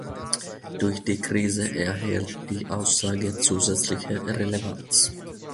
Durch die Krise erhält die Aussage zusätzliche Relevanz.